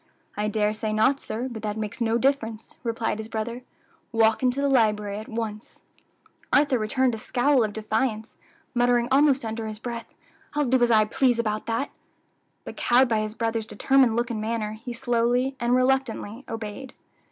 "I dare say not, sir; but that makes no difference," replied his brother. "Walk into the library at once." Arthur returned a scowl of defiance, muttering almost under his breath, "I'll do as I please about that;" but cowed by his brother's determined look and manner, he slowly and reluctantly obeyed.